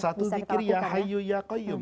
salah satu zikir yahayu yaquyyum